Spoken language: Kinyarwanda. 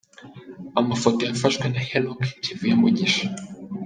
Amafoto yafashwe na Henoc Kivuye Mugisha.